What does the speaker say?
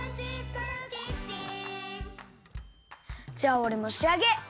じゃあおれもしあげ！